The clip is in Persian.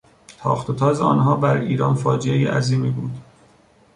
تاخت و تاز آنها بر ایران فاجعهی عظیمی بود.